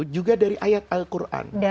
juga dari ayat al quran